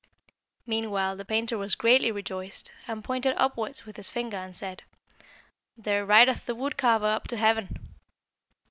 "Meanwhile the painter was greatly rejoiced, and pointed upwards with his finger, and said, 'There rideth the wood carver up to heaven.'